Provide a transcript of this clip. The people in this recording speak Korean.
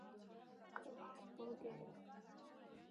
금방 올게요.